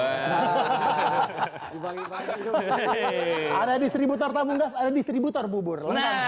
ada distributor tabunggas ada distributor bubur